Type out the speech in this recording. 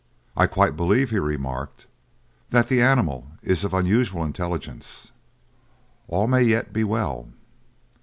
"I quite believe," he remarked, "that the animal is of unusual intelligence. All may yet be well!"